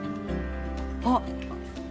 あっ！